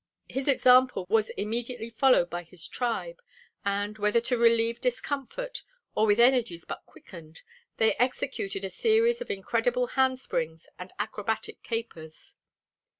His example was immediately followed by his tribe, and, whether to relieve discomfort or with energies but quickened, they executed a series of incredible handsprings and acrobatic capers.